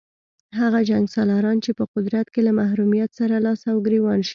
هغه جنګسالاران چې په قدرت کې له محرومیت سره لاس او ګرېوان شي.